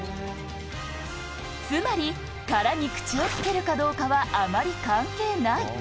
つまり、殻に口をつけるかどうかは、あまり関係ない。